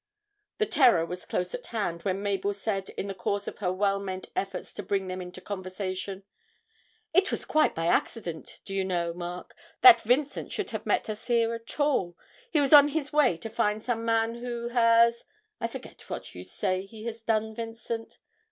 The terror was close at hand when Mabel said, in the course of her well meant efforts to bring them into conversation, 'It was quite by accident, do you know, Mark, that Vincent should have met us here at all; he was on his way to find some man who has I forget what you said he had done, Vincent.'